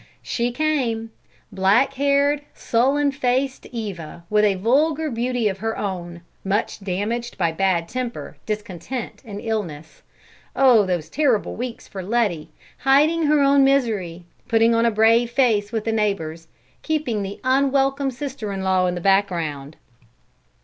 She came: black haired, sullen faced Eva, with a vulgar beauty of her own, much damaged by bad temper, discontent, and illness. Oh, those terrible weeks for Letty, hiding her own misery, putting on a brave face with the neighbors, keeping the unwelcome sister in law in the background.